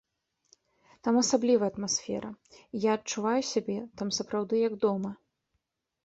Там асаблівая атмасфера, і я адчуваю сябе там сапраўды як дома.